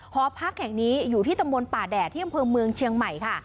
หอพักแห่งนี้อยู่ที่ตำบลป่าแดดที่อำเภอเมืองเชียงใหม่ค่ะ